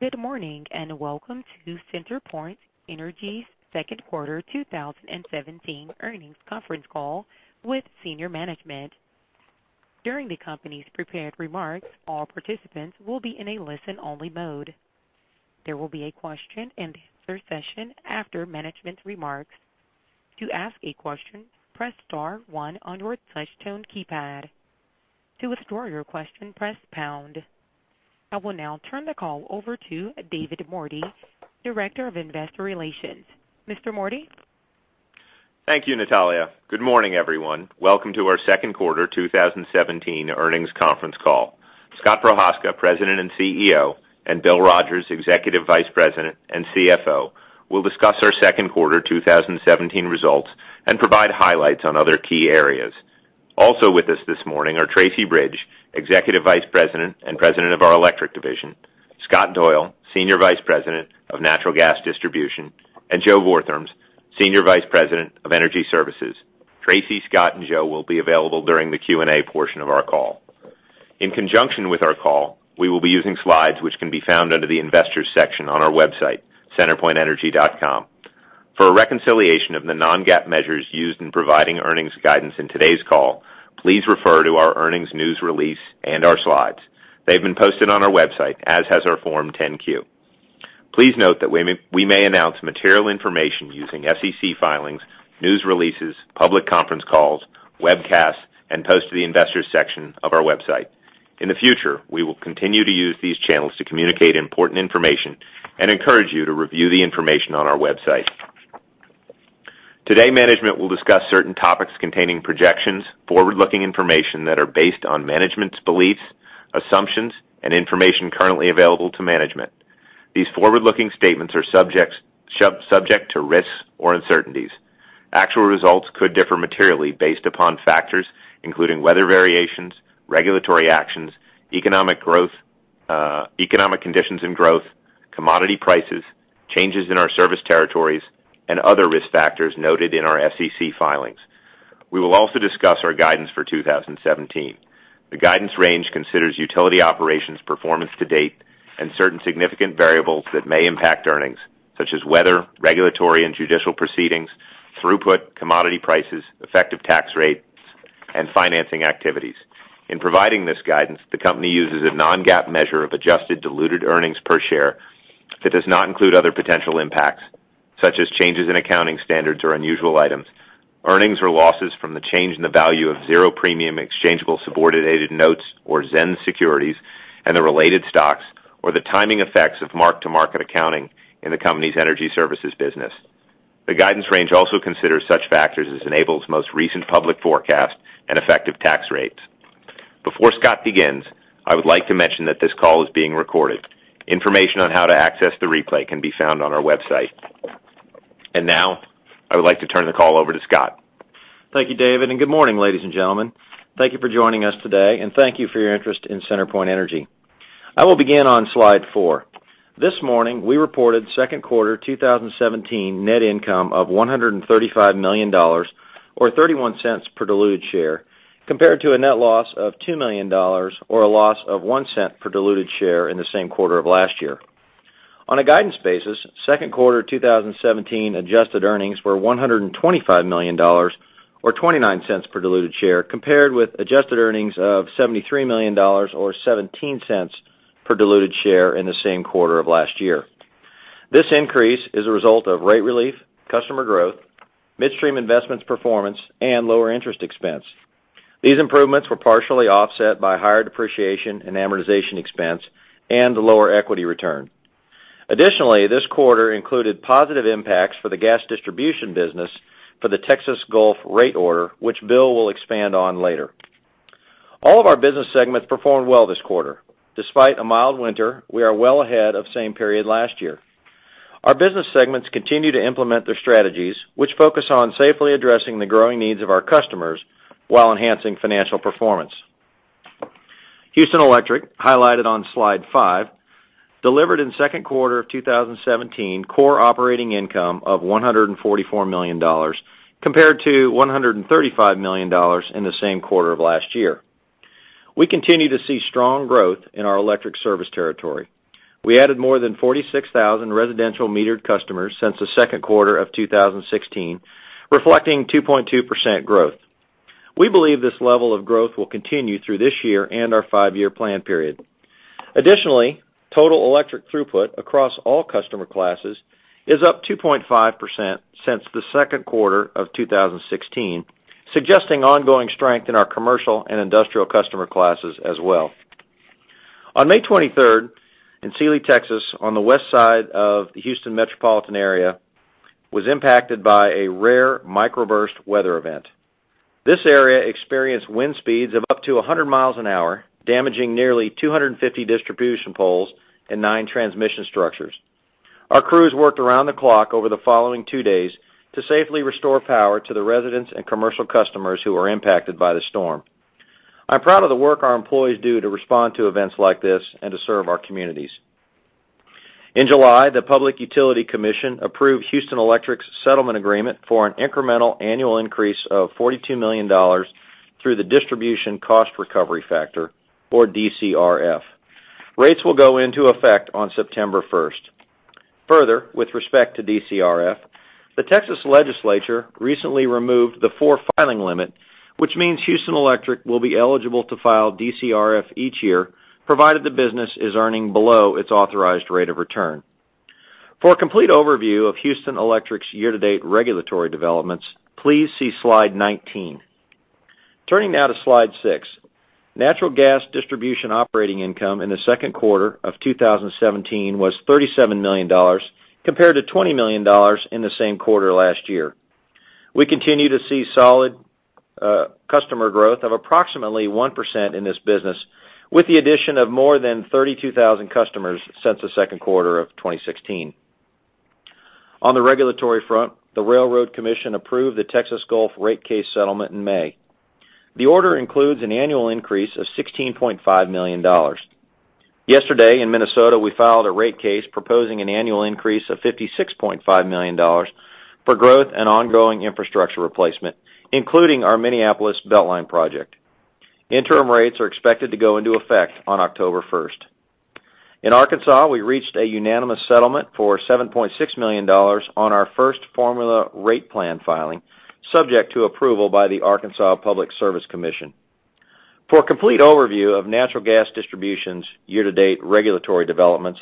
Good morning, welcome to CenterPoint Energy's second quarter 2017 earnings conference call with senior management. During the company's prepared remarks, all participants will be in a listen-only mode. There will be a question and answer session after management's remarks. To ask a question, press star one on your touch-tone keypad. To withdraw your question, press pound. I will now turn the call over to David Mordy, Director of Investor Relations. Mr. Mordy? Thank you, Natalia. Good morning, everyone. Welcome to our second quarter 2017 earnings conference call. Scott Prochazka, President and CEO, and Bill Rogers, Executive Vice President and CFO, will discuss our second quarter 2017 results and provide highlights on other key areas. Also with us this morning are Tracy Bridge, Executive Vice President and President of our Electric division, Scott Doyle, Senior Vice President of Natural Gas Distribution, and Joe Vortherms, Senior Vice President of Energy Services. Tracy, Scott, and Joe will be available during the Q&A portion of our call. In conjunction with our call, we will be using slides which can be found under the Investors section on our website, centerpointenergy.com. For a reconciliation of the non-GAAP measures used in providing earnings guidance in today's call, please refer to our earnings news release and our slides. They've been posted on our website, as has our Form 10-Q. Please note that we may announce material information using SEC filings, news releases, public conference calls, webcasts, and posts to the Investors section of our website. In the future, we will continue to use these channels to communicate important information and encourage you to review the information on our website. Today, management will discuss certain topics containing projections, forward-looking information that are based on management's beliefs, assumptions, and information currently available to management. These forward-looking statements are subject to risks or uncertainties. Actual results could differ materially based upon factors including weather variations, regulatory actions, economic conditions and growth, commodity prices, changes in our service territories, and other risk factors noted in our SEC filings. We will also discuss our guidance for 2017. The guidance range considers utility operations performance to date and certain significant variables that may impact earnings, such as weather, regulatory and judicial proceedings, throughput, commodity prices, effective tax rates, and financing activities. In providing this guidance, the company uses a non-GAAP measure of adjusted diluted earnings per share that does not include other potential impacts, such as changes in accounting standards or unusual items, earnings or losses from the change in the value of zero-premium exchangeable subordinated notes or ZENS securities and the related stocks, or the timing effects of mark-to-market accounting in the company's energy services business. The guidance range also considers such factors as Enable's most recent public forecast and effective tax rates. Before Scott begins, I would like to mention that this call is being recorded. Information on how to access the replay can be found on our website. Now, I would like to turn the call over to Scott. Thank you, David, good morning, ladies and gentlemen. Thank you for joining us today, thank you for your interest in CenterPoint Energy. I will begin on slide four. This morning, we reported second quarter 2017 net income of $135 million, or $0.31 per diluted share, compared to a net loss of $2 million, or a loss of $0.01 per diluted share in the same quarter of last year. On a guidance basis, second quarter 2017 adjusted earnings were $125 million or $0.29 per diluted share, compared with adjusted earnings of $73 million or $0.17 per diluted share in the same quarter of last year. This increase is a result of rate relief, customer growth, midstream investments performance, lower interest expense. These improvements were partially offset by higher depreciation and amortization expense and lower equity return. Additionally, this quarter included positive impacts for the gas distribution business for the Texas Gulf Rate Order, which Bill will expand on later. All of our business segments performed well this quarter. Despite a mild winter, we are well ahead of the same period last year. Our business segments continue to implement their strategies, which focus on safely addressing the growing needs of our customers while enhancing financial performance. Houston Electric, highlighted on slide five, delivered in second quarter of 2017 core operating income of $144 million, compared to $135 million in the same quarter of last year. We continue to see strong growth in our electric service territory. We added more than 46,000 residential metered customers since the second quarter of 2016, reflecting 2.2% growth. We believe this level of growth will continue through this year and our five-year plan period. Additionally, total electric throughput across all customer classes is up 2.5% since the second quarter of 2016, suggesting ongoing strength in our commercial and industrial customer classes as well. On May 23rd in Sealy, Texas on the west side of the Houston metropolitan area was impacted by a rare microburst weather event. This area experienced wind speeds of up to 100 miles an hour, damaging nearly 250 distribution poles and nine transmission structures. Our crews worked around the clock over the following two days to safely restore power to the residents and commercial customers who were impacted by the storm. In July, the Public Utility Commission approved Houston Electric's settlement agreement for an incremental annual increase of $42 million through the Distribution Cost Recovery Factor, or DCRF. Rates will go into effect on September 1st. Further, with respect to DCRF, the Texas Legislature recently removed the four filing limit, which means Houston Electric will be eligible to file DCRF each year, provided the business is earning below its authorized rate of return. For a complete overview of Houston Electric's year-to-date regulatory developments, please see slide 19. Turning now to slide six. Natural gas distribution operating income in the second quarter of 2017 was $37 million compared to $20 million in the same quarter last year. We continue to see solid customer growth of approximately 1% in this business, with the addition of more than 32,000 customers since the second quarter of 2016. On the regulatory front, the Railroad Commission approved the Texas Gulf rate case settlement in May. The order includes an annual increase of $16.5 million. Yesterday in Minnesota, we filed a rate case proposing an annual increase of $56.5 million for growth and ongoing infrastructure replacement, including our Minneapolis Beltline project. Interim rates are expected to go into effect on October 1st. In Arkansas, we reached a unanimous settlement for $7.6 million on our first formula rate plan filing, subject to approval by the Arkansas Public Service Commission. For a complete overview of natural gas distribution's year-to-date regulatory developments,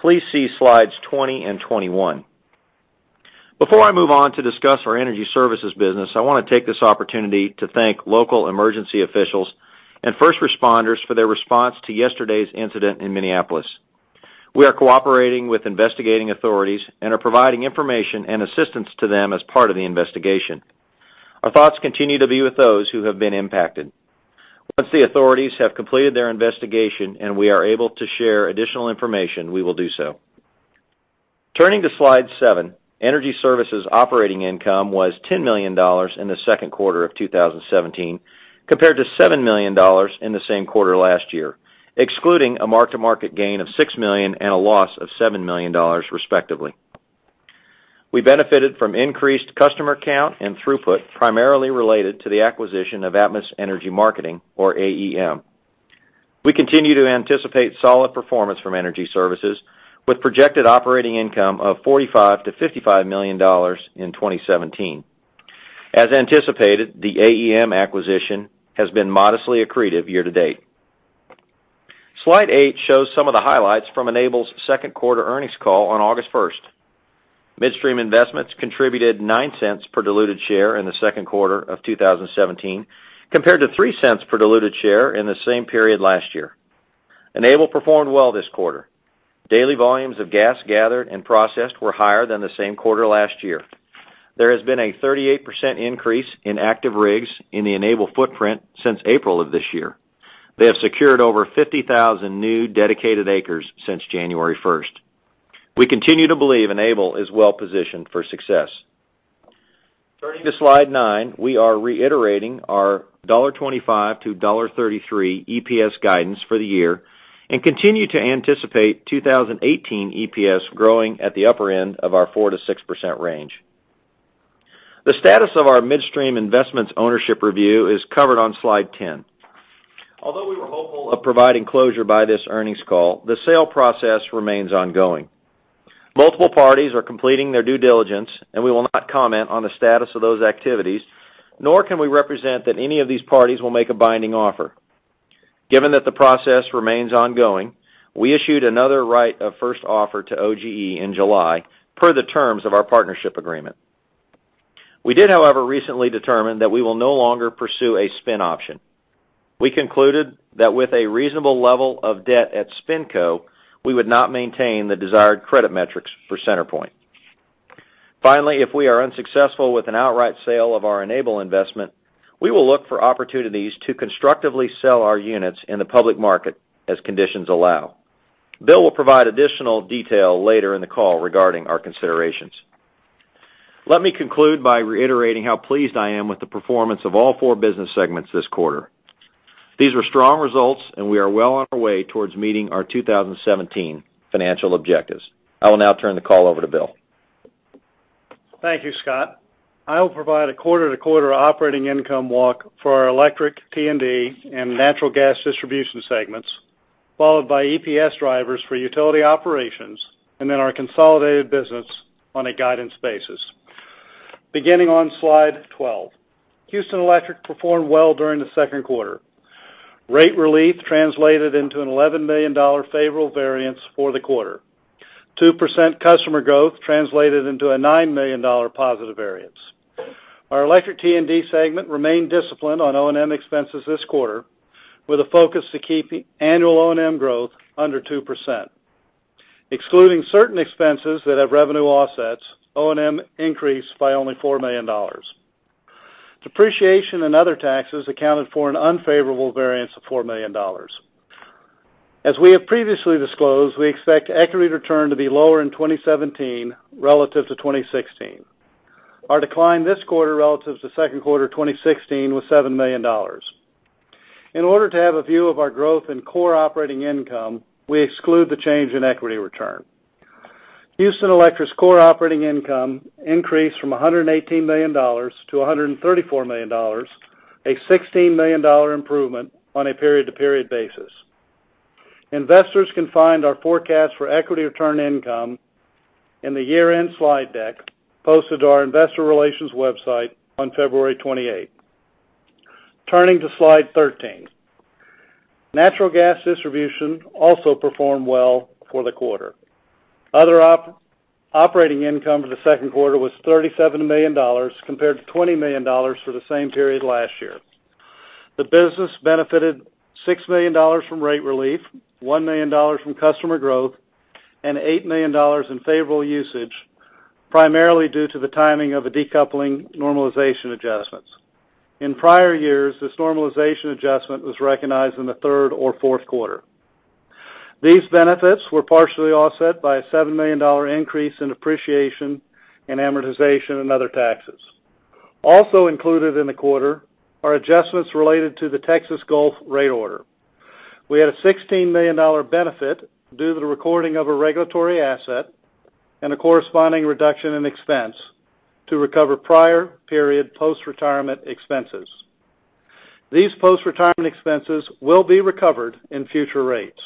please see slides 20 and 21. Before I move on to discuss our energy services business, I want to take this opportunity to thank local emergency officials and first responders for their response to yesterday's incident in Minneapolis. We are cooperating with investigating authorities and are providing information and assistance to them as part of the investigation. Our thoughts continue to be with those who have been impacted. Once the authorities have completed their investigation, and we are able to share additional information, we will do so. Turning to slide seven, energy services operating income was $10 million in the second quarter of 2017, compared to $7 million in the same quarter last year, excluding a mark-to-market gain of $6 million and a loss of $7 million, respectively. We benefited from increased customer count and throughput, primarily related to the acquisition of Atmos Energy Marketing, or AEM. We continue to anticipate solid performance from energy services with projected operating income of $45 million to $55 million in 2017. As anticipated, the AEM acquisition has been modestly accretive year-to-date. Slide eight shows some of the highlights from Enable's second quarter earnings call on August 1st. Midstream investments contributed $0.09 per diluted share in the second quarter of 2017, compared to $0.03 per diluted share in the same period last year. Enable performed well this quarter. Daily volumes of gas gathered and processed were higher than the same quarter last year. There has been a 38% increase in active rigs in the Enable footprint since April of this year. They have secured over 50,000 new dedicated acres since January 1st. We continue to believe Enable is well-positioned for success. Turning to slide nine, we are reiterating our $1.25 to $1.33 EPS guidance for the year and continue to anticipate 2018 EPS growing at the upper end of our 4%-6% range. The status of our midstream investments ownership review is covered on slide 10. Although we were hopeful of providing closure by this earnings call, the sale process remains ongoing. Multiple parties are completing their due diligence. We will not comment on the status of those activities, nor can we represent that any of these parties will make a binding offer. Given that the process remains ongoing, we issued another right of first offer to OGE in July, per the terms of our partnership agreement. We did, however, recently determine that we will no longer pursue a spin option. We concluded that with a reasonable level of debt at SpinCo, we would not maintain the desired credit metrics for CenterPoint. Finally, if we are unsuccessful with an outright sale of our Enable investment, we will look for opportunities to constructively sell our units in the public market as conditions allow. Bill will provide additional detail later in the call regarding our considerations. Let me conclude by reiterating how pleased I am with the performance of all four business segments this quarter. These were strong results. We are well on our way towards meeting our 2017 financial objectives. I will now turn the call over to Bill. Thank you, Scott. I will provide a quarter-to-quarter operating income walk for our electric T&D and natural gas distribution segments, followed by EPS drivers for utility operations. Then our consolidated business on a guidance basis. Beginning on slide 12. Houston Electric performed well during the second quarter. Rate relief translated into an $11 million favorable variance for the quarter. 2% customer growth translated into a $9 million positive variance. Our electric T&D segment remained disciplined on O&M expenses this quarter with a focus to keep annual O&M growth under 2%. Excluding certain expenses that have revenue offsets, O&M increased by only $4 million. Depreciation and other taxes accounted for an unfavorable variance of $4 million. As we have previously disclosed, we expect equity return to be lower in 2017 relative to 2016. Our decline this quarter relative to second quarter 2016 was $7 million. In order to have a view of our growth in core operating income, we exclude the change in equity return. Houston Electric's core operating income increased from $118 million to $134 million, a $16 million improvement on a period-to-period basis. Investors can find our forecast for equity return income in the year-end slide deck posted to our investor relations website on February 28th. Turning to Slide 13. Natural gas distribution also performed well for the quarter. Other operating income for the second quarter was $37 million compared to $20 million for the same period last year. The business benefited $6 million from rate relief, $1 million from customer growth, and $8 million in favorable usage, primarily due to the timing of a decoupling normalization adjustments. In prior years, this normalization adjustment was recognized in the third or fourth quarter. These benefits were partially offset by a $7 million increase in depreciation and amortization and other taxes. Included in the quarter are adjustments related to the Texas Gulf Rate Order. We had a $16 million benefit due to the recording of a regulatory asset and a corresponding reduction in expense to recover prior period post-retirement expenses. These post-retirement expenses will be recovered in future rates.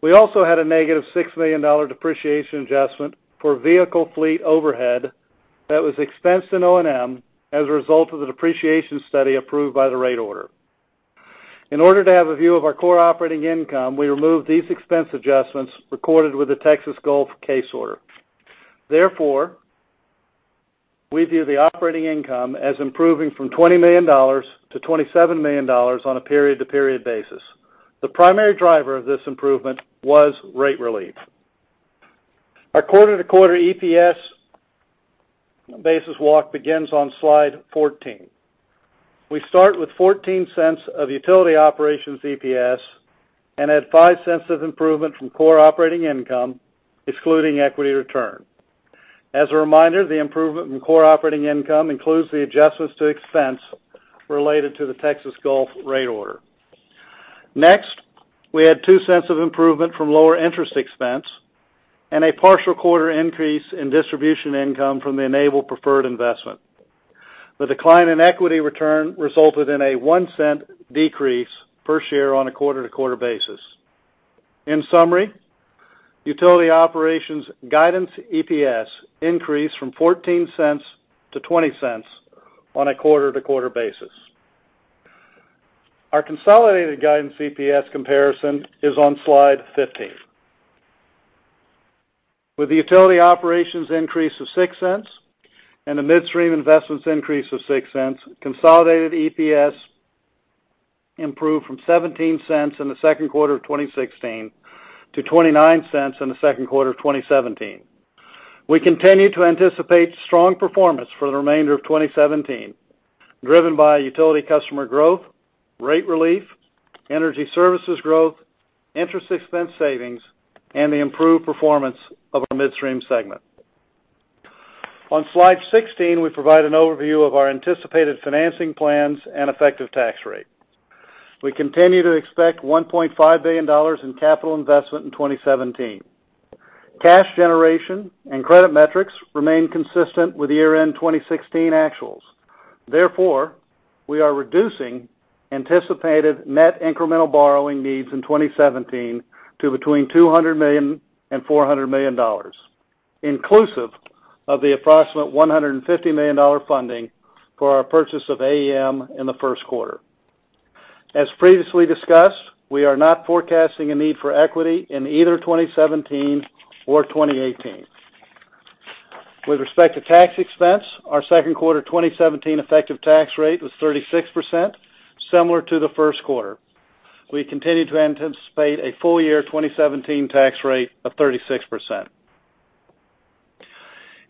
We also had a negative $6 million depreciation adjustment for vehicle fleet overhead that was expensed in O&M as a result of the depreciation study approved by the rate order. In order to have a view of our core operating income, we removed these expense adjustments recorded with the Texas Gulf Case Order. Therefore, we view the operating income as improving from $20 million to $27 million on a period-to-period basis. The primary driver of this improvement was rate relief. Our quarter-to-quarter EPS basis walk begins on Slide 14. We start with $0.14 of utility operations EPS and add $0.05 of improvement from core operating income, excluding equity return. A reminder, the improvement in core operating income includes the adjustments to expense related to the Texas Gulf Rate Order. We had $0.02 of improvement from lower interest expense and a partial quarter increase in distribution income from the Enable preferred investment. The decline in equity return resulted in a $0.01 decrease per share on a quarter-to-quarter basis. In summary, utility operations guidance EPS increased from $0.14 to $0.20 on a quarter-to-quarter basis. Our consolidated guidance EPS comparison is on Slide 15. With the utility operations increase of $0.06 and the midstream investments increase of $0.06, consolidated EPS improved from $0.17 in the second quarter of 2016 to $0.29 in the second quarter of 2017. We continue to anticipate strong performance for the remainder of 2017, driven by utility customer growth, rate relief, energy services growth, interest expense savings, and the improved performance of our midstream segment. On Slide 16, we provide an overview of our anticipated financing plans and effective tax rate. We continue to expect $1.5 billion in capital investment in 2017. Cash generation and credit metrics remain consistent with year-end 2016 actuals. Therefore, we are reducing anticipated net incremental borrowing needs in 2017 to between $200 million and $400 million, inclusive of the approximate $150 million funding for our purchase of AEM in the first quarter. Previously discussed, we are not forecasting a need for equity in either 2017 or 2018. With respect to tax expense, our second quarter 2017 effective tax rate was 36%, similar to the first quarter. We continue to anticipate a full-year 2017 tax rate of 36%.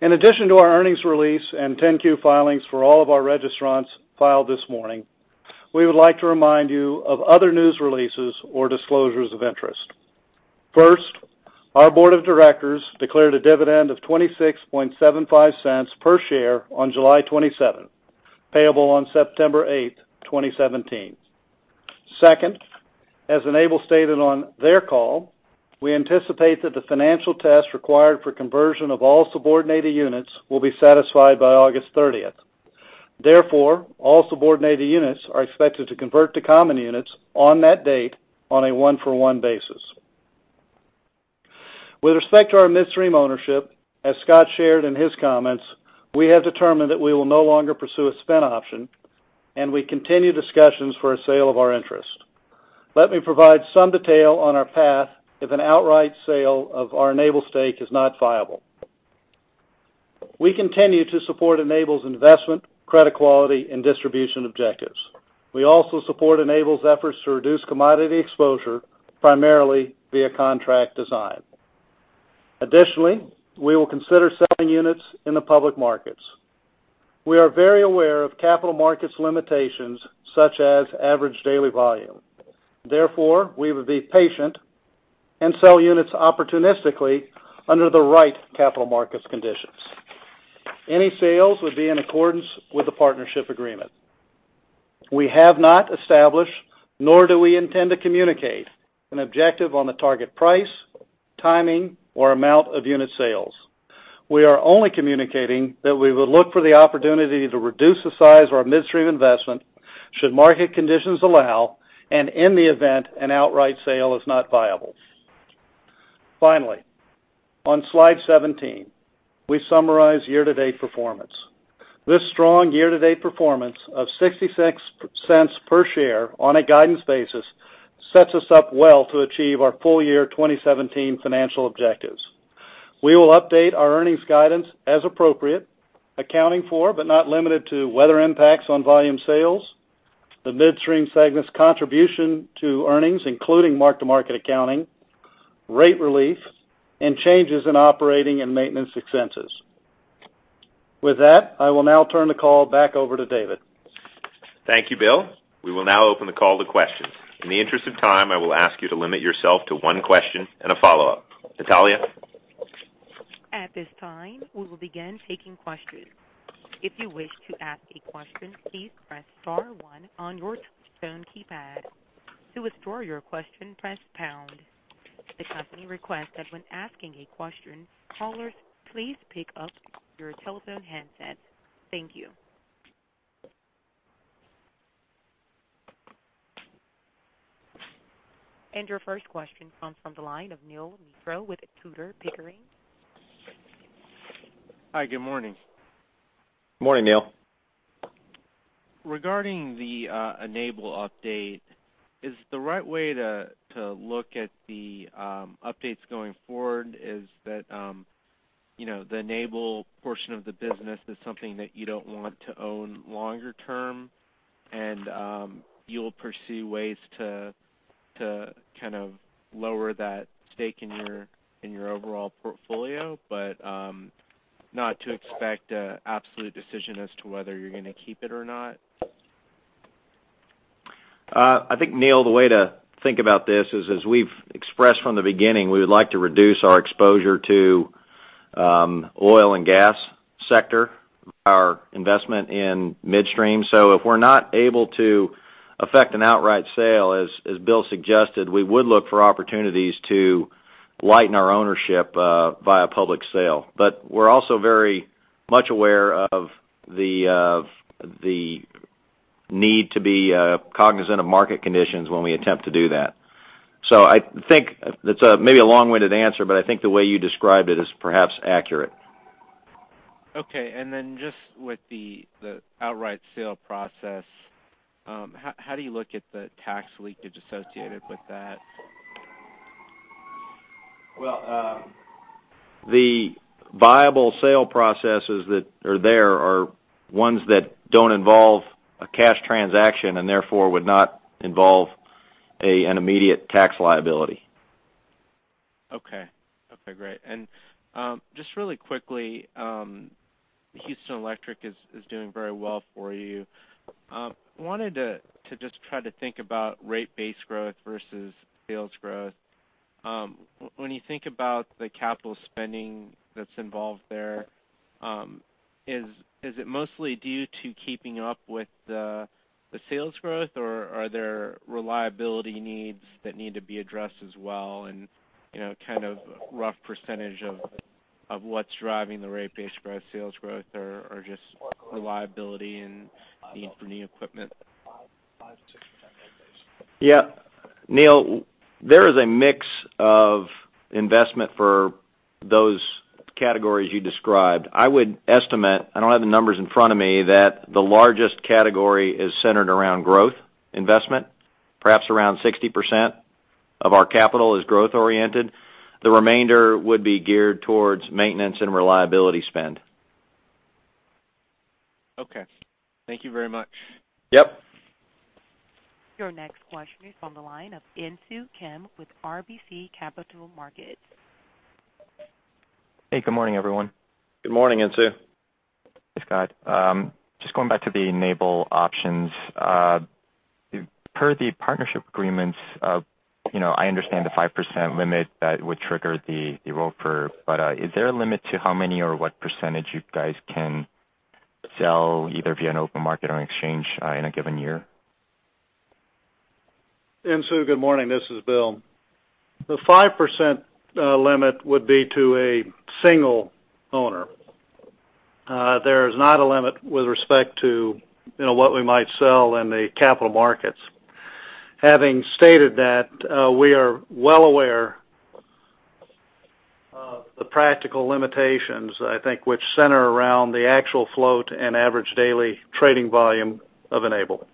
In addition to our earnings release and 10-Q filings for all of our registrants filed this morning, we would like to remind you of other news releases or disclosures of interest. Our board of directors declared a dividend of $0.2675 per share on July 27, payable on September 8th, 2017. As Enable stated on their call, we anticipate that the financial test required for conversion of all subordinated units will be satisfied by August 30th. Therefore, all subordinated units are expected to convert to common units on that date on a one-for-one basis. With respect to our midstream ownership, as Scott shared in his comments, we have determined that we will no longer pursue a spin option, and we continue discussions for a sale of our interest. Let me provide some detail on our path if an outright sale of our Enable stake is not viable. We continue to support Enable's investment, credit quality, and distribution objectives. We also support Enable's efforts to reduce commodity exposure, primarily via contract design. Additionally, we will consider selling units in the public markets. We are very aware of capital markets limitations such as average daily volume. Therefore, we will be patient and sell units opportunistically under the right capital markets conditions. Any sales would be in accordance with the partnership agreement. We have not established, nor do we intend to communicate an objective on the target price, timing, or amount of unit sales. We are only communicating that we would look for the opportunity to reduce the size of our midstream investment should market conditions allow, in the event an outright sale is not viable. Finally, on slide 17, we summarize year-to-date performance. This strong year-to-date performance of $0.66 per share on a guidance basis sets us up well to achieve our full year 2017 financial objectives. We will update our earnings guidance as appropriate, accounting for, but not limited to, weather impacts on volume sales, the midstream segment's contribution to earnings, including mark-to-market accounting, rate relief, and changes in operating and maintenance expenses. With that, I will now turn the call back over to David. Thank you, Bill. We will now open the call to questions. In the interest of time, I will ask you to limit yourself to one question and a follow-up. Natalia? At this time, we will begin taking questions. If you wish to ask a question, please press star one on your telephone keypad. To withdraw your question, press pound. The company requests that when asking a question, callers please pick up your telephone handsets. Thank you. Your first question comes from the line of Neel Mitra with Tudor, Pickering. Hi, good morning. Morning, Neel. Regarding the Enable update, is the right way to look at the updates going forward is that the Enable portion of the business is something that you don't want to own longer term, and you'll pursue ways to lower that stake in your overall portfolio, but not to expect an absolute decision as to whether you're going to keep it or not? I think, Neel, the way to think about this is as we've expressed from the beginning, we would like to reduce our exposure to oil and gas sector, our investment in midstream. If we're not able to affect an outright sale, as William suggested, we would look for opportunities to lighten our ownership via public sale. We're also very much aware of the need to be cognizant of market conditions when we attempt to do that. I think that's maybe a long-winded answer, but I think the way you described it is perhaps accurate. Okay. Then just with the outright sale process, how do you look at the tax leakage associated with that? Well, the viable sale processes that are there are ones that don't involve a cash transaction and therefore would not involve an immediate tax liability. Okay. Great. Just really quickly, Houston Electric is doing very well for you. Wanted to just try to think about rate base growth versus sales growth. When you think about the capital spending that's involved there, is it mostly due to keeping up with the sales growth, or are there reliability needs that need to be addressed as well? Kind of rough % of what's driving the rate base growth, sales growth or just reliability and need for new equipment? Yeah. Neel, there is a mix of investment for those categories you described. I would estimate, I don't have the numbers in front of me, that the largest category is centered around growth investment. Perhaps around 60% of our capital is growth-oriented. The remainder would be geared towards maintenance and reliability spend. Okay. Thank you very much. Yep. Your next question is on the line of Insoo Kim with RBC Capital Markets. Hey, good morning, everyone. Good morning, Insoo. Hey, Scott. Just going back to the Enable options. Per the partnership agreements, I understand the 5% limit that would trigger the rollover, is there a limit to how many or what percentage you guys can sell, either via an open market or an exchange in a given year? Insoo, good morning. This is Bill. The 5% limit would be to a single owner. There is not a limit with respect to what we might sell in the capital markets. Having stated that, we are well aware of the practical limitations, I think, which center around the actual float and average daily trading volume of Enable.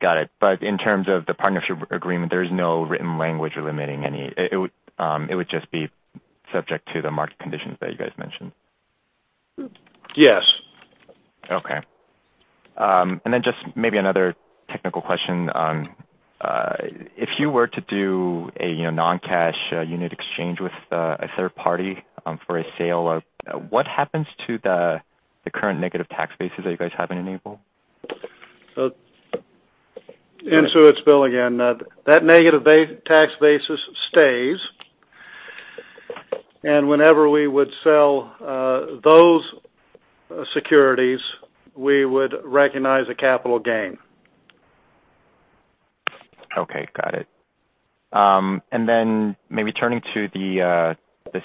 Got it. In terms of the partnership agreement, there is no written language limiting. It would just be subject to the market conditions that you guys mentioned? Yes. Okay. Just maybe another technical question. If you were to do a non-cash unit exchange with a third party for a sale, what happens to the current negative tax bases that you guys have in Enable? it's Bill again. That negative tax basis stays, whenever we would sell those securities, we would recognize a capital gain. Okay. Got it. Maybe turning to the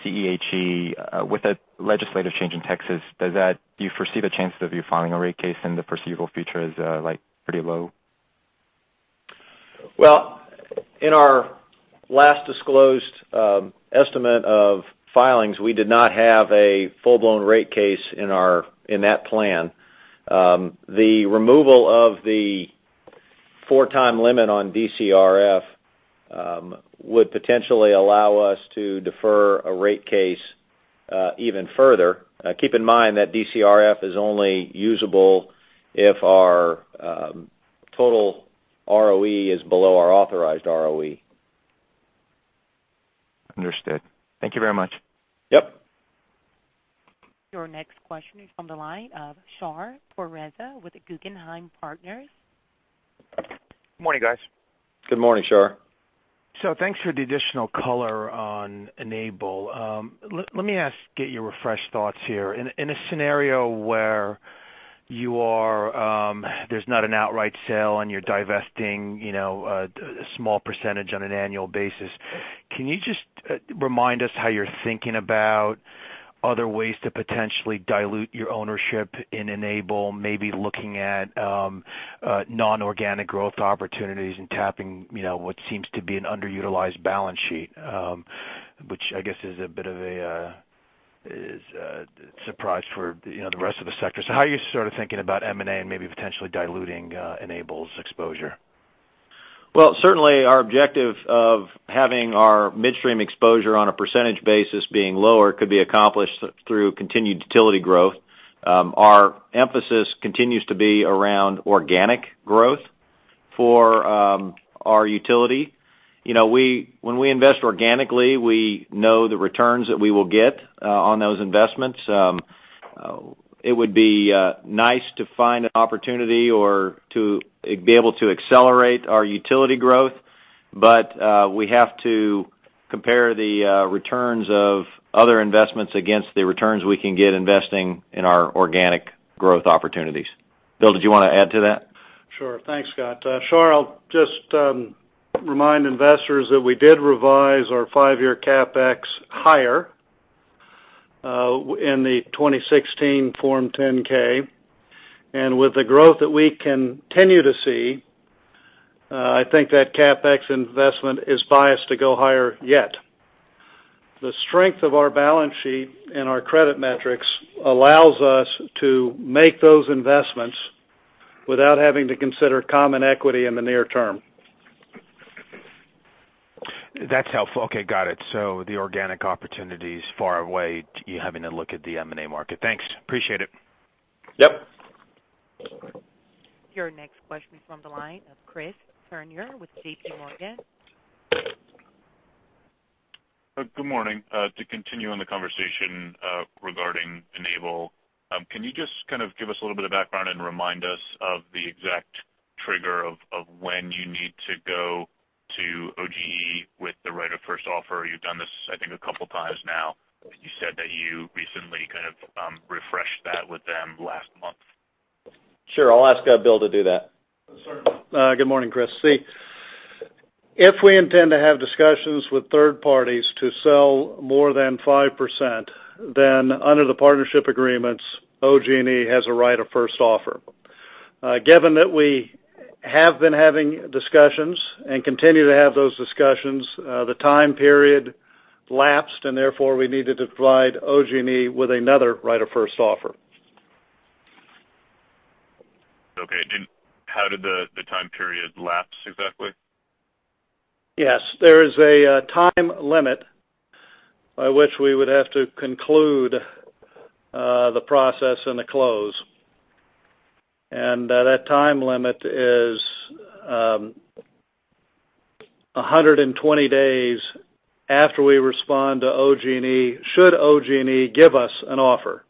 CEHE, with the legislative change in Texas, do you foresee the chances of you filing a rate case in the foreseeable future as pretty low? In our last disclosed estimate of filings, we did not have a full-blown rate case in that plan. The removal of the four-time limit on DCRF would potentially allow us to defer a rate case even further. Keep in mind that DCRF is only usable if our total ROE is below our authorized ROE. Understood. Thank you very much. Yep. Your next question is on the line of Shar Pourreza with Guggenheim Partners. Good morning, guys. Good morning, Shar. Thanks for the additional color on Enable. Let me get your refreshed thoughts here. In a scenario where there's not an outright sale on your divesting a small percentage on an annual basis, can you just remind us how you're thinking about other ways to potentially dilute your ownership in Enable, maybe looking at non-organic growth opportunities and tapping what seems to be an underutilized balance sheet? Which I guess is a bit of a surprise for the rest of the sector. How are you thinking about M&A and maybe potentially diluting Enable's exposure? Well, certainly our objective of having our midstream exposure on a percentage basis being lower could be accomplished through continued utility growth. Our emphasis continues to be around organic growth for our utility. When we invest organically, we know the returns that we will get on those investments. It would be nice to find an opportunity or to be able to accelerate our utility growth, but we have to compare the returns of other investments against the returns we can get investing in our organic growth opportunities. Bill, did you want to add to that? Sure. Thanks, Scott. Shar, I'll just remind investors that we did revise our five-year CapEx higher in the 2016 Form 10-K. With the growth that we continue to see, I think that CapEx investment is biased to go higher yet. The strength of our balance sheet and our credit metrics allows us to make those investments without having to consider common equity in the near term. That's helpful. Okay. Got it. The organic opportunity's far away to you having to look at the M&A market. Thanks. Appreciate it. Yep. Your next question is on the line of Chris Turnure with JPMorgan. Good morning. To continue on the conversation regarding Enable, can you just kind of give us a little bit of background and remind us of the exact trigger of when you need to go to OGE with the right of first offer? You've done this, I think, a couple of times now. You said that you recently kind of refreshed that with them last month. Sure. I'll ask Bill to do that. Sure. Good morning, Chris. If we intend to have discussions with third parties to sell more than 5%, then under the partnership agreements, OGE has a right of first offer. Given that we have been having discussions and continue to have those discussions, the time period lapsed, we needed to provide OGE with another right of first offer. Okay. How did the time period lapse exactly? Yes. There is a time limit by which we would have to conclude the process and the close. That time limit is 120 days after we respond to OGE should OGE give us an offer.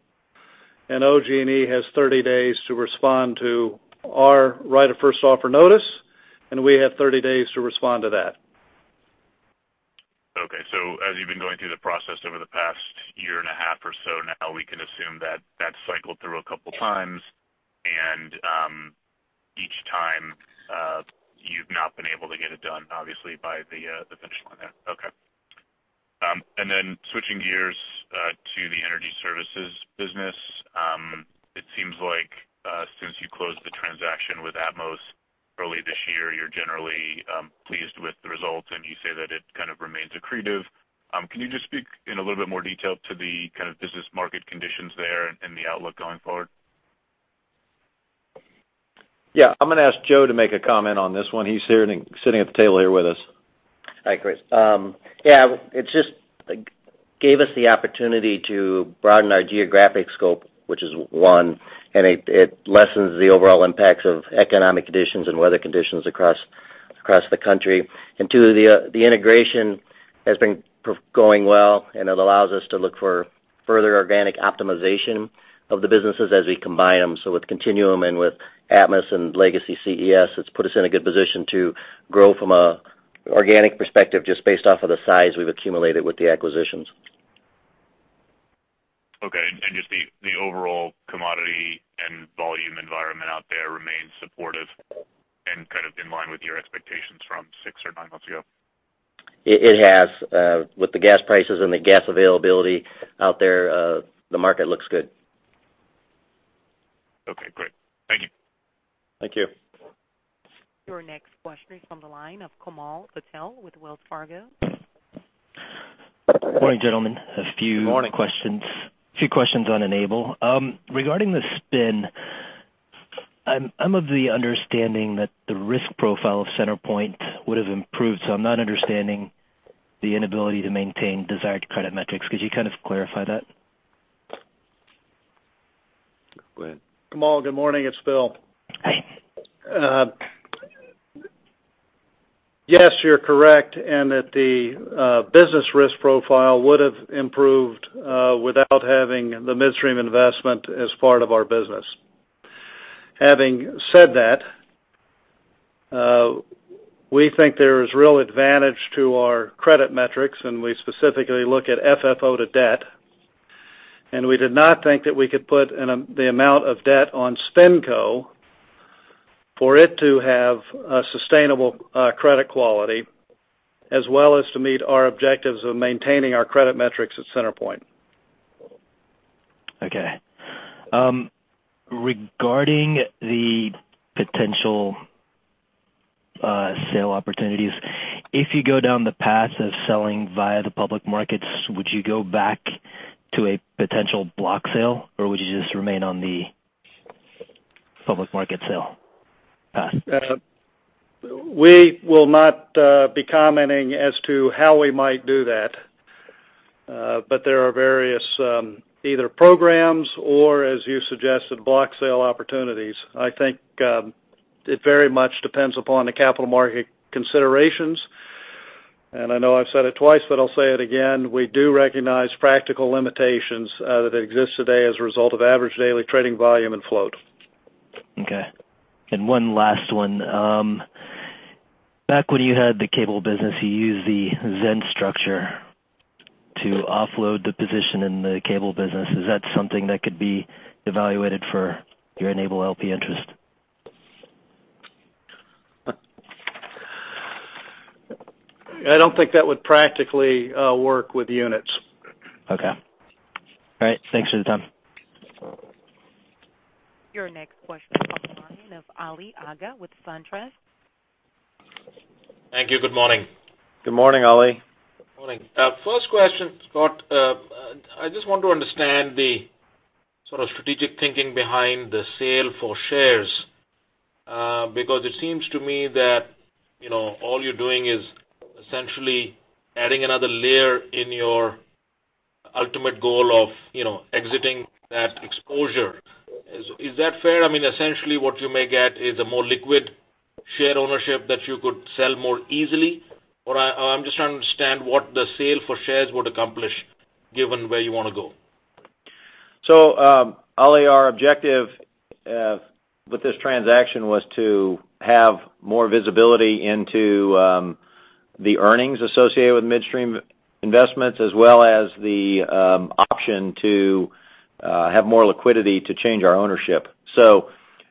OGE has 30 days to respond to our right of first offer notice, and we have 30 days to respond to that. Okay. As you've been going through the process over the past year and a half or so now, we can assume that that cycled through a couple of times, and each time, you've not been able to get it done, obviously, by the finish line there. Okay. Then switching gears to the CenterPoint Energy Services business. It seems like since you closed the transaction with Atmos early this year, you're generally pleased with the results, and you say that it kind of remains accretive. Can you just speak in a little bit more detail to the kind of business market conditions there and the outlook going forward? Yeah. I'm going to ask Joe to make a comment on this one. He's here and sitting at the table here with us. Hi, Chris. Yeah, it just gave us the opportunity to broaden our geographic scope, which is one, it lessens the overall impacts of economic conditions and weather conditions across Two, the integration has been going well, and it allows us to look for further organic optimization of the businesses as we combine them. With Continuum and with Atmos and Legacy CES, it's put us in a good position to grow from an organic perspective just based off of the size we've accumulated with the acquisitions. Okay. Just the overall commodity and volume environment out there remains supportive and kind of in line with your expectations from six or nine months ago? It has. With the gas prices and the gas availability out there, the market looks good. Okay, great. Thank you. Thank you. Your next question is on the line of Komal Patel with Wells Fargo. Good morning, gentlemen. Good morning questions on Enable. Regarding the spin, I'm of the understanding that the risk profile of CenterPoint would have improved, I'm not understanding the inability to maintain desired credit metrics. Could you kind of clarify that? Go ahead. Komal, good morning. It's Bill. Hi. Yes, you're correct, that the business risk profile would have improved without having the midstream investment as part of our business. Having said that, we think there is real advantage to our credit metrics, we specifically look at FFO to debt, we did not think that we could put the amount of debt on SpinCo for it to have a sustainable credit quality, as well as to meet our objectives of maintaining our credit metrics at CenterPoint. Okay. Regarding the potential sale opportunities, if you go down the path of selling via the public markets, would you go back to a potential block sale, or would you just remain on the public market sale path? We will not be commenting as to how we might do that. There are various either programs or, as you suggested, block sale opportunities. I think it very much depends upon the capital market considerations. I know I've said it twice, but I'll say it again, we do recognize practical limitations that exist today as a result of average daily trading volume and float. Okay. One last one. Back when you had the cable business, you used the ZENS structure to offload the position in the cable business. Is that something that could be evaluated for your Enable LP interest? I don't think that would practically work with units. Okay. All right. Thanks for the time. Your next question on the line of Ali Agha with SunTrust. Thank you. Good morning. Good morning, Ali. Morning. First question, Scott. I just want to understand the sort of strategic thinking behind the sale for shares, because it seems to me that all you're doing is essentially adding another layer in your ultimate goal of exiting that exposure. Is that fair? Essentially what you may get is a more liquid share ownership that you could sell more easily? I'm just trying to understand what the sale for shares would accomplish given where you want to go. Ali, our objective with this transaction was to have more visibility into the earnings associated with midstream investments, as well as the option to have more liquidity to change our ownership.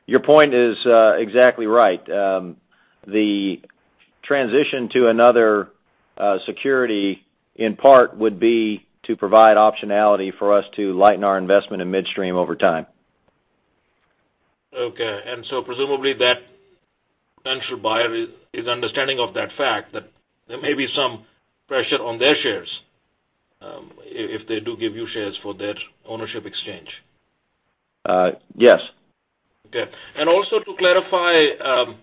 Your point is exactly right. The transition to another security, in part, would be to provide optionality for us to lighten our investment in midstream over time. Okay. Presumably that potential buyer is understanding of that fact that there may be some pressure on their shares if they do give you shares for that ownership exchange. Yes. Okay. Also to clarify,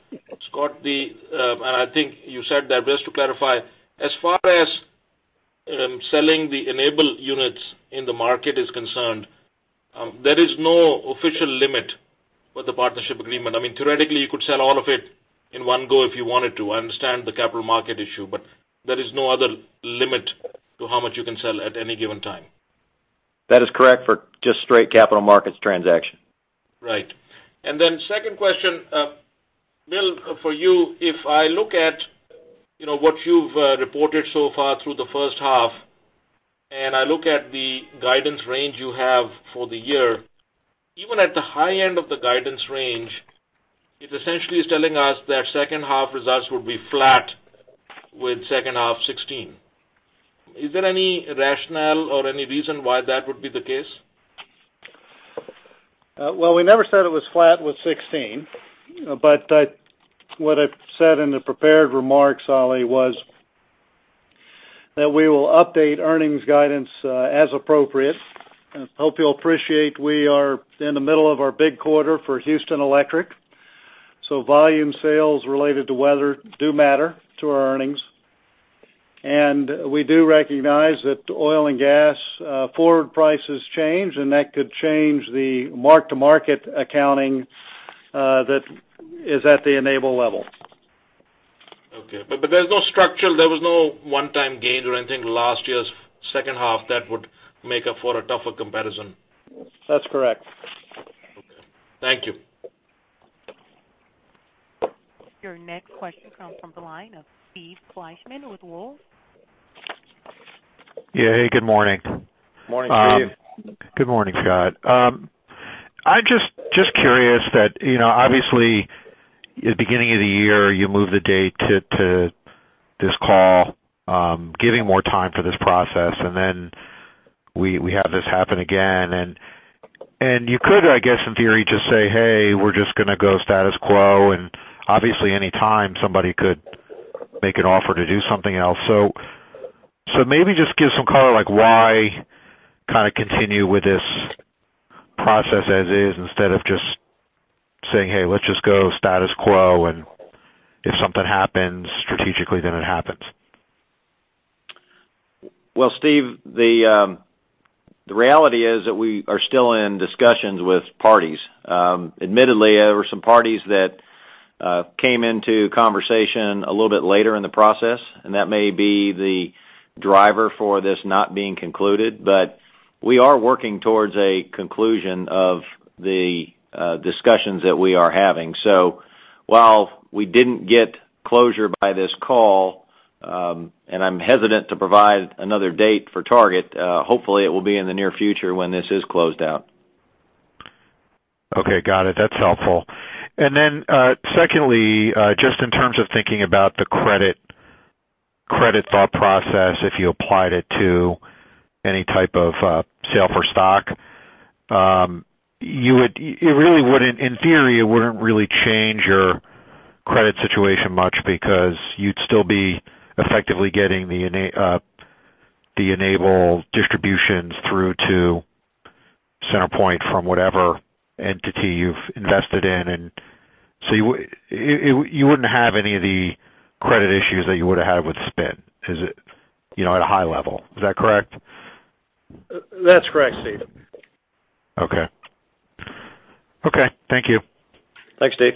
Scott, and I think you said that, but just to clarify, as far as selling the Enable units in the market is concerned, there is no official limit for the partnership agreement. Theoretically, you could sell all of it in one go if you wanted to. I understand the capital market issue, there is no other limit to how much you can sell at any given time. That is correct for just straight capital markets transaction. Right. Second question, Phil, for you. If I look at what you've reported so far through the first half, I look at the guidance range you have for the year, even at the high end of the guidance range, it essentially is telling us that second half results will be flat with second half 2016. Is there any rationale or any reason why that would be the case? Well, we never said it was flat with 2016. What I said in the prepared remarks, Ali, was that we will update earnings guidance as appropriate. I hope you'll appreciate we are in the middle of our big quarter for Houston Electric, so volume sales related to weather do matter to our earnings. We do recognize that oil and gas forward prices change, that could change the mark-to-market accounting that is at the Enable level. Okay. There's no structure. There was no one-time gain or anything in last year's second half that would make up for a tougher comparison? That's correct. Okay. Thank you. Your next question comes from the line of Steve Fleishman with Wolfe. Yeah. Good morning. Morning, Steve. Good morning, Scott. I'm just curious that, obviously, at the beginning of the year, you move the date to this call, giving more time for this process, then we have this happen again. You could, I guess, in theory, just say, "Hey, we're just going to go status quo." Obviously, any time, somebody could make an offer to do something else. Maybe just give some color, why continue with this process as is instead of just saying, "Hey, let's just go status quo, and if something happens strategically, then it happens. Well, Steve, the reality is that we are still in discussions with parties. Admittedly, there were some parties that came into conversation a little bit later in the process, and that may be the driver for this not being concluded. We are working towards a conclusion of the discussions that we are having. While we didn't get closure by this call, and I'm hesitant to provide another date for target, hopefully it will be in the near future when this is closed out. Okay, got it. That's helpful. Then, secondly, just in terms of thinking about the credit thought process, if you applied it to any type of sale for stock, in theory, it wouldn't really change your credit situation much because you'd still be effectively getting the Enable distributions through to CenterPoint from whatever entity you've invested in. You wouldn't have any of the credit issues that you would've had with spin at a high level. Is that correct? That's correct, Steve. Okay. Thank you. Thanks, Steve.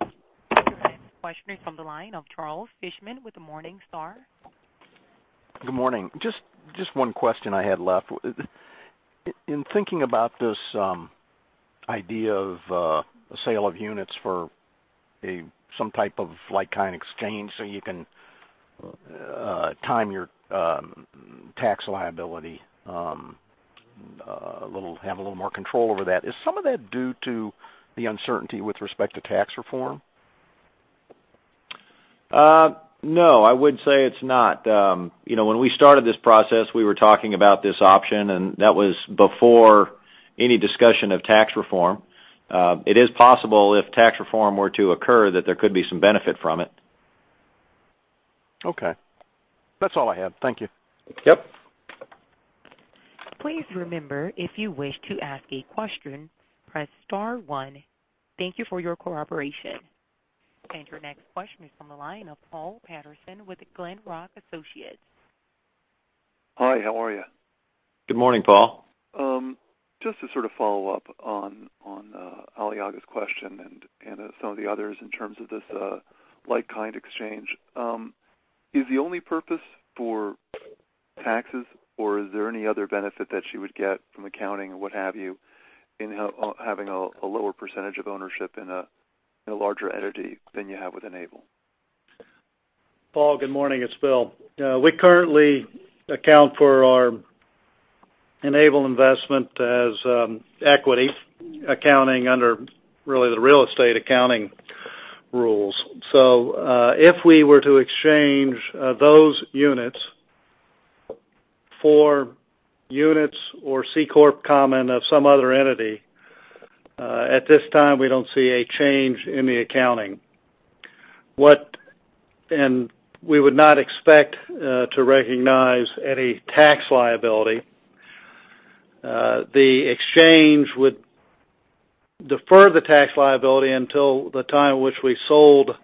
Your next question is from the line of Charles Fishman with Morningstar. Good morning. Just one question I had left. In thinking about this idea of a sale of units for some type of like-kind exchange so you can time your tax liability, have a little more control over that, is some of that due to the uncertainty with respect to tax reform? No, I would say it's not. When we started this process, we were talking about this option, and that was before any discussion of tax reform. It is possible if tax reform were to occur that there could be some benefit from it. Okay. That's all I had. Thank you. Yep. Please remember, if you wish to ask a question, press *1. Thank you for your cooperation. Your next question is from the line of Paul Patterson with Glenrock Associates. Hi, how are you? Good morning, Paul. Just to sort of follow up on Ali Agha's question and some of the others in terms of this like kind exchange. Is the only purpose for taxes, or is there any other benefit that you would get from accounting or what have you in having a lower percentage of ownership in a larger entity than you have with Enable? Paul, good morning. It's Bill. We currently account for our Enable investment as equity accounting under really the real estate accounting rules. If we were to exchange those units for units or C Corp common of some other entity, at this time, we don't see a change in the accounting. We would not expect to recognize any tax liability. The exchange would defer the tax liability until the time at which we sold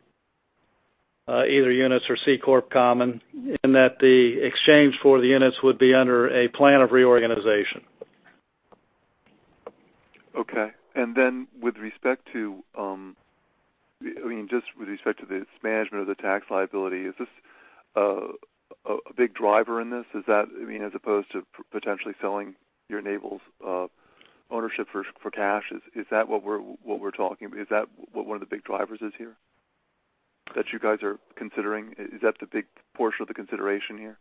either units or C Corp common, in that the exchange for the units would be under a plan of reorganization. Okay. With respect to this management of the tax liability, is this a big driver in this as opposed to potentially selling your Enable's ownership for cash? Is that what one of the big drivers is here that you guys are considering? Is that the big portion of the consideration here?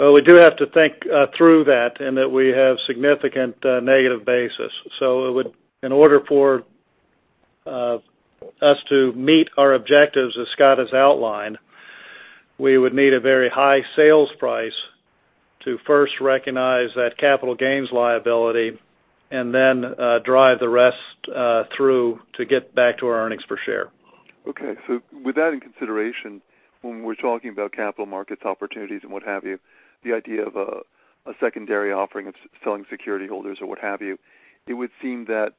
Well, we do have to think through that we have significant negative basis. In order for us to meet our objectives as Scott has outlined, we would need a very high sales price to first recognize that capital gains liability and then drive the rest through to get back to our earnings per share. Okay. With that in consideration, when we're talking about capital markets opportunities and what have you, the idea of a secondary offering of selling security holders or what have you, it would seem that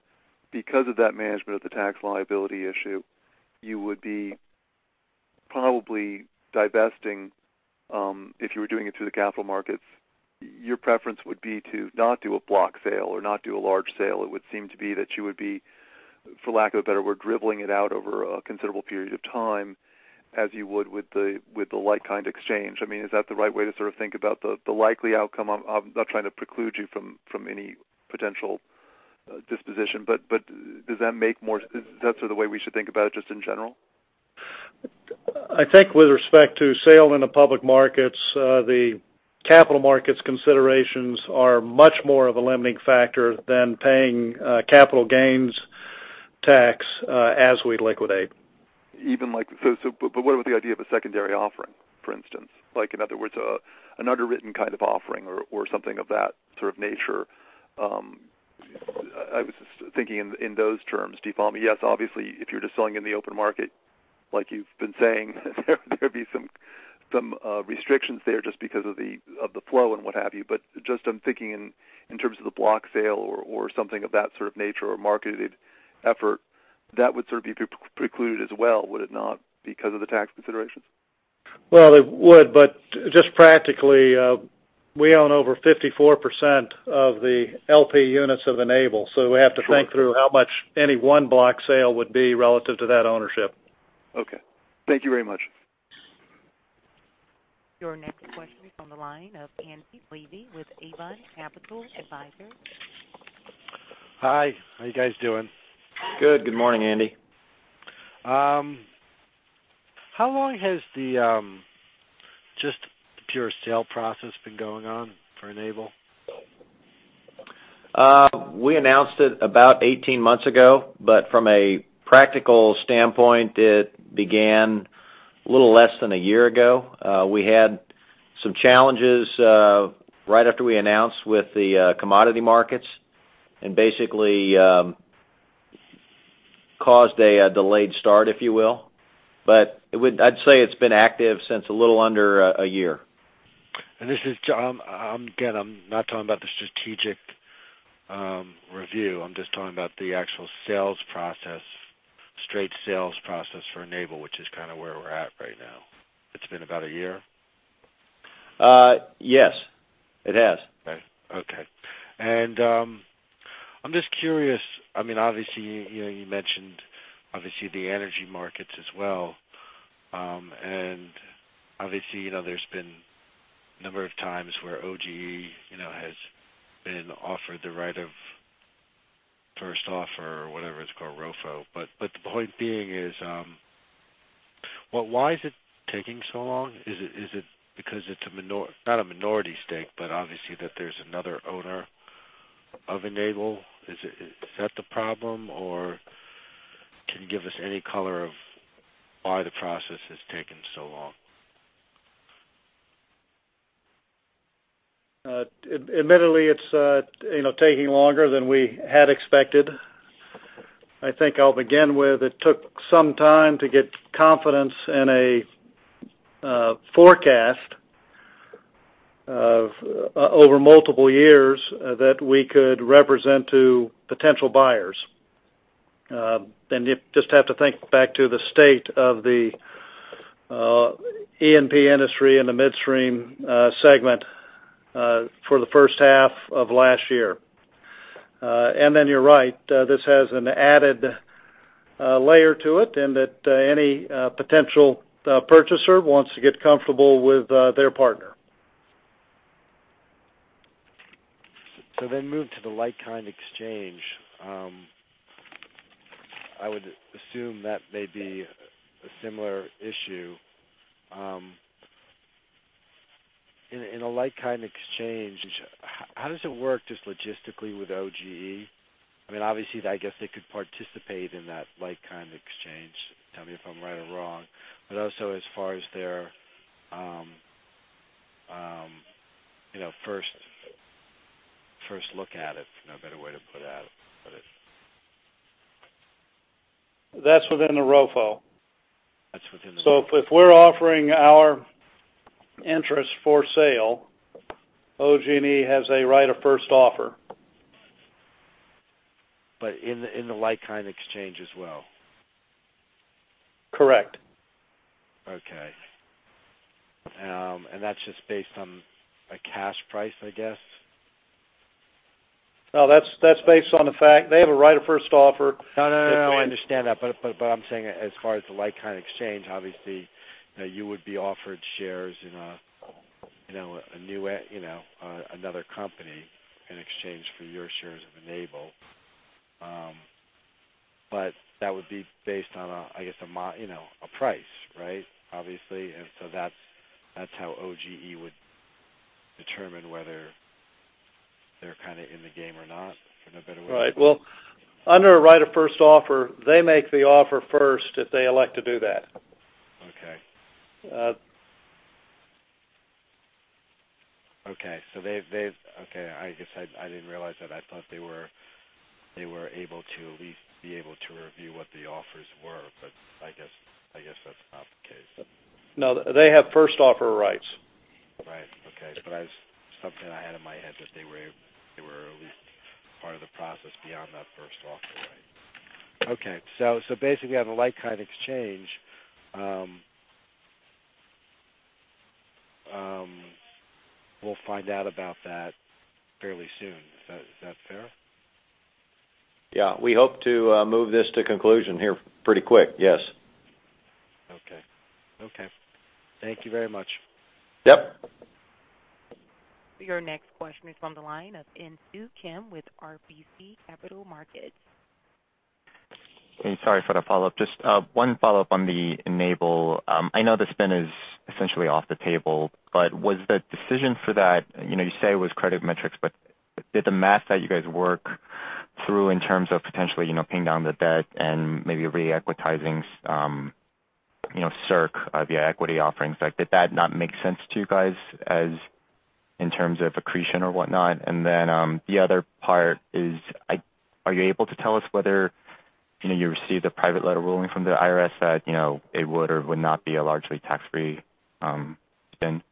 because of that management of the tax liability issue, you would be probably divesting, if you were doing it through the capital markets, your preference would be to not do a block sale or not do a large sale. It would seem to be that you would be, for lack of a better word, dribbling it out over a considerable period of time, as you would with the like-kind exchange. Is that the right way to think about the likely outcome? I'm not trying to preclude you from any potential disposition, but is that the way we should think about it just in general? I think with respect to sale in the public markets, the capital markets considerations are much more of a limiting factor than paying capital gains tax as we liquidate. What about the idea of a secondary offering, for instance? In other words, an underwritten kind of offering or something of that nature. I was just thinking in those terms, Steve. Yes, obviously, if you're just selling in the open market, like you've been saying, there'd be some restrictions there just because of the flow and what have you. Just I'm thinking in terms of the block sale or something of that sort of nature or marketed effort, that would be precluded as well, would it not, because of the tax considerations? Well, it would, but just practically, we own over 54% of the LP units of Enable, so we have to think through how much any one block sale would be relative to that ownership. Okay. Thank you very much. Your next question is on the line of Andy Levy with Avon Capital Advisors. Hi. How you guys doing? Good. Good morning, Andy. How long has the pure sale process been going on for Enable? We announced it about 18 months ago, but from a practical standpoint, it began a little less than a year ago. We had some challenges right after we announced with the commodity markets, and basically caused a delayed start, if you will. I'd say it's been active since a little under a year. This is John. Again, I'm not talking about the strategic review. I'm just talking about the actual sales process, straight sales process for Enable, which is kind of where we're at right now. It's been about a year? Yes. It has. Okay. I'm just curious, obviously, you mentioned the energy markets as well, and obviously there's been a number of times where OGE has been offered the right of first offer or whatever it's called, ROFO. The point being is, why is it taking so long? Is it because it's not a minority stake, but obviously that there's another owner of Enable? Is that the problem, or can you give us any color of why the process has taken so long? Admittedly, it's taking longer than we had expected. I think I'll begin with, it took some time to get confidence in a forecast over multiple years that we could represent to potential buyers. You just have to think back to the state of the E&P industry and the midstream segment for the first half of last year. You're right, this has an added layer to it, and that any potential purchaser wants to get comfortable with their partner. Move to the like-kind exchange. I would assume that may be a similar issue. In a like-kind exchange, how does it work just logistically with OGE? Obviously, I guess they could participate in that like-kind exchange. Tell me if I'm right or wrong. Also as far as their first look at it, for no better way to put it. That's within the ROFO. That's within the ROFO. If we're offering our interest for sale, OGE has a right of first offer. In the like-kind exchange as well? Correct. Okay. That's just based on a cash price, I guess? No, that's based on the fact they have a right of first offer. No, I understand that. I'm saying as far as the like-kind exchange, obviously, you would be offered shares in another company in exchange for your shares of Enable. That would be based on a price, right? Obviously. That's how OGE would determine whether they're in the game or not, in a better way. Right. Well, under a right of first offer, they make the offer first if they elect to do that. Okay. I guess I didn't realize that. I thought they were able to at least be able to review what the offers were, I guess that's not the case. No. They have first offer rights. Okay. That was something I had in my head, that they were at least part of the process beyond that first offer. Right. Okay. Basically, on the like-kind exchange, we'll find out about that fairly soon. Is that fair? Yeah. We hope to move this to conclusion here pretty quick. Yes. Okay. Thank you very much. Yep. Your next question is from the line of Insoo Kim with RBC Capital Markets. Hey, sorry for the follow-up. Just one follow-up on the Enable. I know the spin is essentially off the table. Was the decision for that, you say it was credit metrics, but did the math that you guys work through in terms of potentially pinning down the debt and maybe re-equitizing CenterPoint, the equity offerings, did that not make sense to you guys in terms of accretion or whatnot? Then, the other part is, are you able to tell us whether you received a private letter ruling from the IRS that it would or would not be a largely tax-free spin?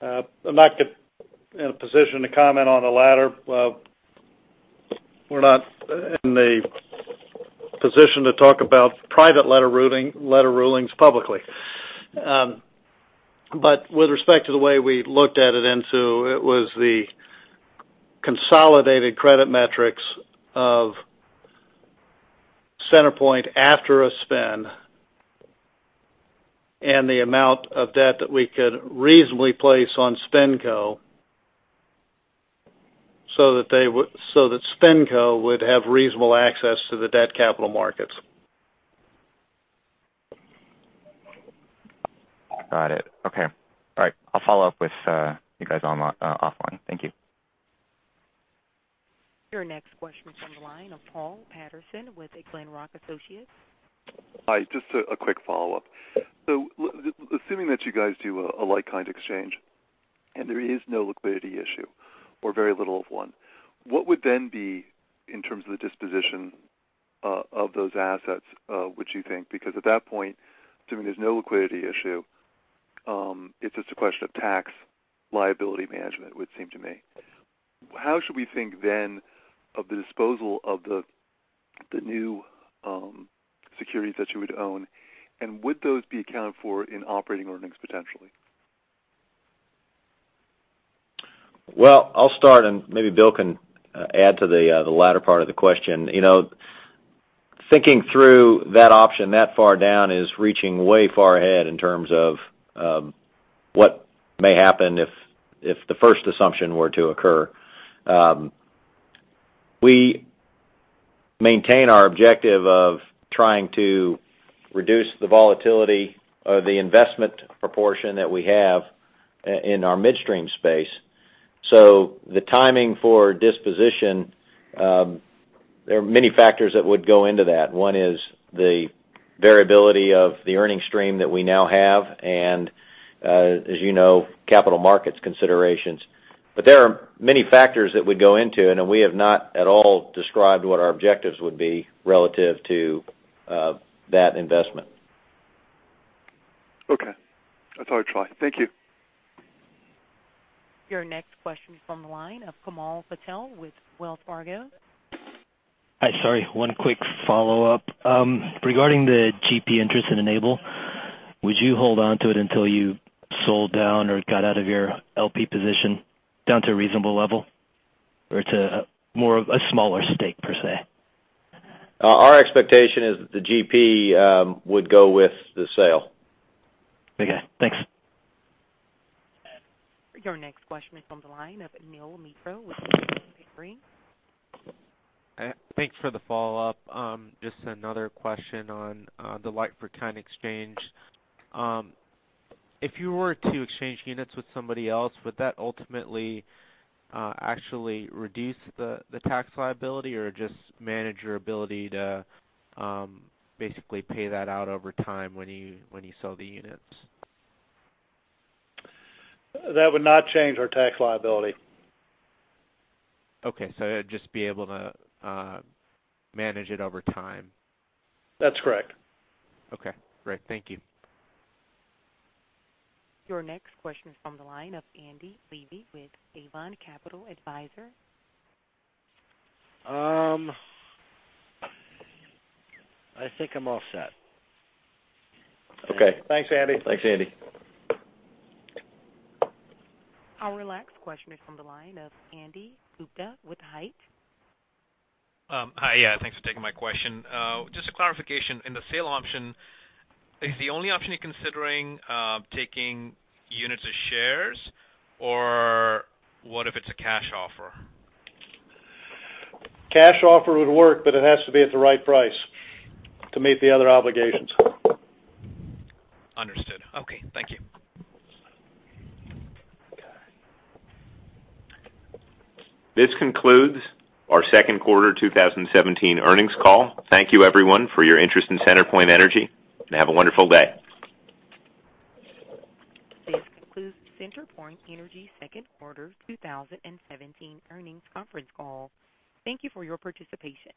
I'm not in a position to comment on the latter. We're not in a position to talk about private letter rulings publicly. With respect to the way we looked at it, Insoo, it was the consolidated credit metrics of CenterPoint after a spin, and the amount of debt that we could reasonably place on SpinCo so that SpinCo would have reasonable access to the debt capital markets. Got it. Okay. All right. I'll follow up with you guys offline. Thank you. Your next question is from the line of Paul Patterson with Glenrock Associates. Hi, just a quick follow-up. Assuming that you guys do a like-kind exchange, and there is no liquidity issue or very little of one, what would then be in terms of the disposition of those assets would you think? Because at that point, assuming there's no liquidity issue, it's just a question of tax liability management, it would seem to me. How should we think then of the disposal of the new securities that you would own, and would those be accounted for in operating earnings potentially? I'll start, and maybe Bill can add to the latter part of the question. Thinking through that option that far down is reaching way far ahead in terms of what may happen if the first assumption were to occur. We maintain our objective of trying to reduce the volatility of the investment proportion that we have in our midstream space. The timing for disposition, there are many factors that would go into that. One is the variability of the earning stream that we now have, and, as you know, capital markets considerations. There are many factors that would go into, and we have not at all described what our objectives would be relative to that investment. I thought I'd try. Thank you. Your next question is from the line of Komal Patel with Wells Fargo. Sorry, one quick follow-up. Regarding the GP interest in Enable, would you hold onto it until you sold down or got out of your LP position down to a reasonable level, or to more of a smaller stake per se? Our expectation is that the GP would go with the sale. Okay, thanks. Your next question is from the line of Neel Mitra with Tudor, Pickering. Thanks for the follow-up. Just another question on the like-for-kind exchange. If you were to exchange units with somebody else, would that ultimately actually reduce the tax liability or just manage your ability to basically pay that out over time when you sell the units? That would not change our tax liability. You'd just be able to manage it over time. That's correct. Great. Thank you. Your next question is from the line of Andy Levy with Avon Capital Advisors. I think I'm all set. Okay. Thanks, Andy. Thanks, Andy. Our last question is from the line of Andy Gupta with Height. Hi, yeah. Thanks for taking my question. Just a clarification. In the sale option, is the only option you're considering taking units of shares, or what if it's a cash offer? Cash offer would work, it has to be at the right price to meet the other obligations. Understood. Okay. Thank you. This concludes our second quarter 2017 earnings call. Thank you, everyone, for your interest in CenterPoint Energy, and have a wonderful day. This concludes CenterPoint Energy's second quarter 2017 earnings conference call. Thank you for your participation.